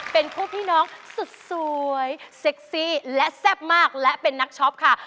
เป็นคู่พี่น้องสุดสวยเซ็กซี่และแซ่บมากและเป็นนักช็อปค่ะ